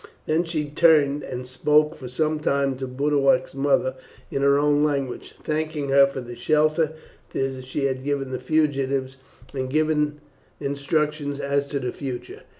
Then he turned and spoke for some time to Boduoc's mother in her own language, thanking her for the shelter that she had given the fugitives, and giving instructions as to the future.